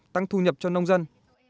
tăng thu nhập cho nông dân